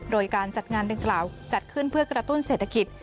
โดยการจัดงานดังกล่าวจัดขึ้นเพื่อกระตุ้นเศรษฐกิจ